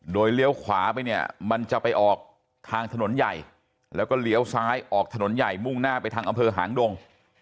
โดยเลี้ยวขวาไปเนี่ยมันจะไปออกทางถนนใหญ่แล้วก็เลี้ยวซ้ายออกถนนใหญ่มุ่งหน้าไปทางอำเภอหางดง